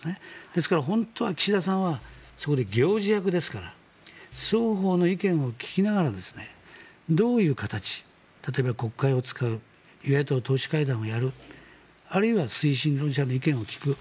ですから本当は岸田さんはそこで、行司役ですから双方の意見を聞きながらどういう形例えば、国会を使う与野党党首会談をやるあるいは、推進論者の意見を聞く